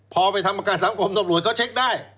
พอไปทำประกันสังคมตำรวจก็เช็คได้